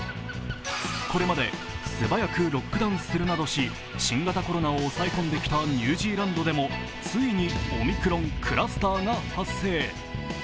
これまで素早くロックダウンするなどし新型コロナを抑え込んできたニュージーランドでもついにオミクロンクラスターが発生。